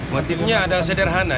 motifnya adalah sederhana